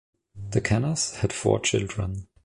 The Kennas had four children.